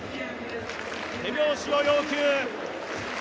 手拍子を要求。